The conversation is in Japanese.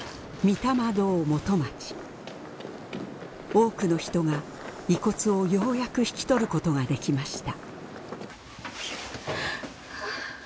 多くの人が遺骨をようやく引き取ることができました。